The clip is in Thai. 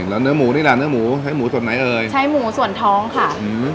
แล้วเนื้อหมูนี่แหละเนื้อหมูใช้หมูส่วนไหนเอ่ยใช้หมูส่วนท้องค่ะอืม